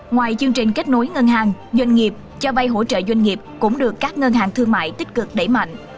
ngoài chương trình kết nối ngân hàng doanh nghiệp cho vay hỗ trợ doanh nghiệp cũng được các ngân hàng thương mại tích cực đẩy mạnh